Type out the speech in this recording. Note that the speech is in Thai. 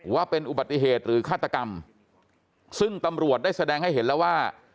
ว่าเป็นอุบัติเหตุหรือฆาตกรรมซึ่งตำรวจได้แสดงให้เห็นแล้วว่า